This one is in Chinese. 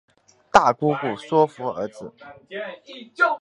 大姑姑说服儿子